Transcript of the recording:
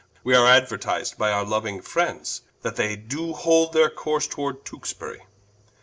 We are aduertis'd by our louing friends, That they doe hold their course toward Tewksbury.